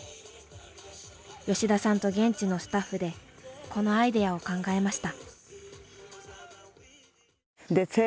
吉田さんと現地のスタッフでこのアイデアを考えました。